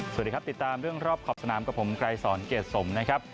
สวัสดีครับติดตามเรื่องรอบขอบสนามกับผมไกรสอนเกรดสมนะครับ